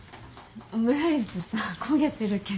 オムライスさ焦げてるけど勘弁してね。